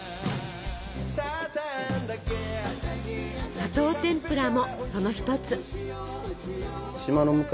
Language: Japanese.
「砂糖てんぷら」もその１つ。